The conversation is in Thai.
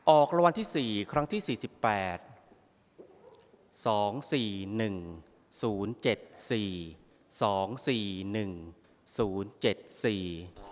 ออกรางวัลที่สี่ครั้งที่สี่สิบแปดสองสี่หนึ่งศูนย์เจ็ดสี่สองสี่หนึ่งศูนย์เจ็ดสี่